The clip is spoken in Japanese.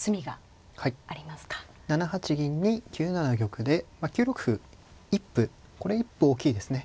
銀に９七玉でまあ９六歩一歩これ一歩大きいですね。